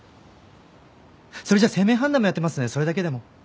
それじゃ姓名判断もやってますんでそれだけでも。